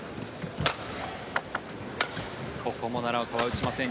ここも奈良岡は打ちません。